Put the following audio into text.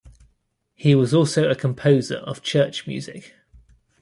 He was also a composer of church music.